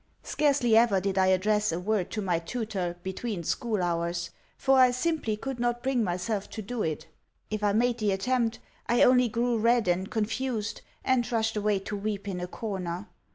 Scarcely ever did I address a word to my tutor between school hours, for I simply could not bring myself to do it. If I made the attempt I only grew red and confused, and rushed away to weep in a corner.